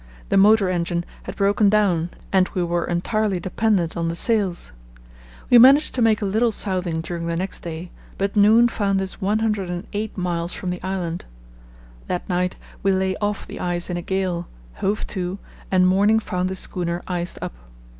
The motor engine had broken down and we were entirely dependent on the sails. We managed to make a little southing during the next day, but noon found us 108 miles from the island. That night we lay off the ice in a gale, hove to, and morning found the schooner iced up.